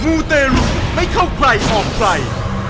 มูเตรุให้เข้าใกล้ออกไกล